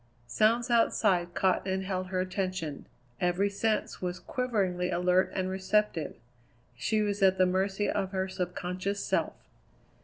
Sounds outside caught and held her attention; every sense was quiveringly alert and receptive; she was at the mercy of her subconscious self.